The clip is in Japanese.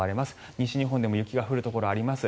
西日本でも雪が降るところあります。